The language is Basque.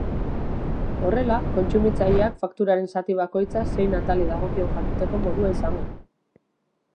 Horrela, kontsumitazileak fakturaren zati bakoitza zein atali dagokion jakiteko modua izango du.